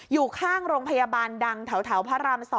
อยู่ข้างโรงพยาบาลดังแถวพระราม๒